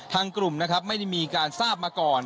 กลุ่มนะครับไม่ได้มีการทราบมาก่อน